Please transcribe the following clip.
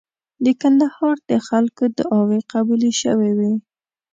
د کندهار د خلکو دعاوي قبولې شوې وې.